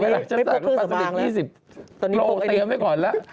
ในเวลาฉันสั่งปลาสลิดสิบโลกเตรียมไว้ก่อนล่ะ